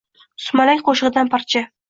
Sumalak qo’shig’idan parcha.